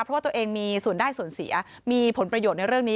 เพราะว่าตัวเองมีส่วนได้ส่วนเสียมีผลประโยชน์ในเรื่องนี้